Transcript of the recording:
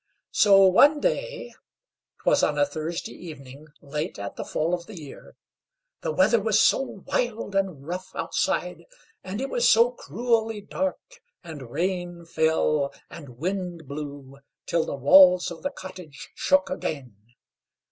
So one day, 'twas on a Thursday evening late at the fall of the year, the weather was so wild and rough outside, and it was so cruelly dark, and rain fell and wind blew, till the walls of the cottage shook again.